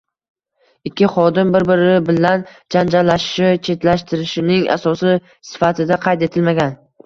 ikki xodim bir-biri bilan janjalashishi chetlashtirishning asosi sifatida qayd etilmagan.